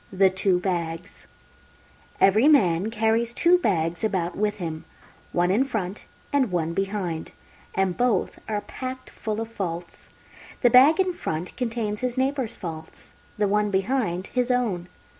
THE TWO BAGS Every man carries Two Bags about with him, one in front and one behind, and both are packed full of faults. The Bag in front contains his neighbours' faults, the one behind his own.